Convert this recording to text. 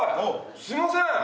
すいません！